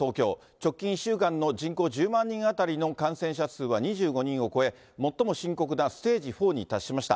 直近１週間の人口１０万人当たりの感染者数は２５人を超え、最も深刻なステージ４に達しました。